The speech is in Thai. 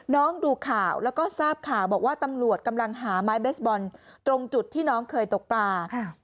ดูข่าวแล้วก็ทราบข่าวบอกว่าตำรวจกำลังหาไม้เบสบอลตรงจุดที่น้องเคยตกปลา